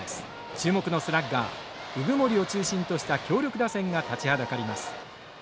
注目のスラッガー鵜久森を中心とした強力打線が立ちはだかります。